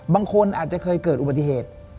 บางคนอาจจะเคยเกิดอุบัติเหตุ